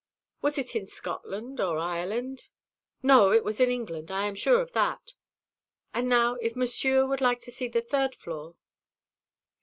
"Was it in Scotland or Ireland?" "No, it was in England. I am sure of that. And now, if Monsieur would like to see the third floor."